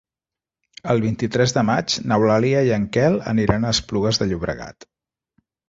El vint-i-tres de maig n'Eulàlia i en Quel aniran a Esplugues de Llobregat.